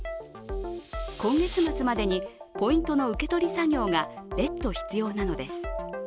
今月末までにポイントの受け取り作業が別途必要なのです。